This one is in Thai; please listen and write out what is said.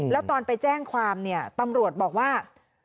แล้วตอนไปแจ้งความเนี่ยตำรวจบอกว่า